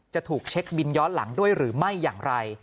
จะถูกเช็คบินย้อนหลังด้วยหรือไม่อย่างไร